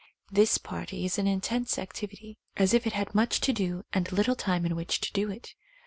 This party is in intense activity, as if it had much to do and little time in which to do it.